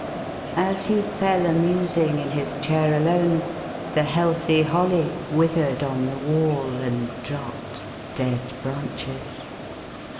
As he fell a musing in his chair alone, the healthy holly withered on the wall, and dropped — dead branches.